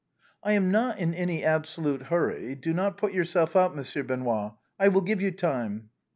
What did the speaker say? " I am not in any absolute hurry — do not put yourself out. Monsieur Benoît. I will give you time."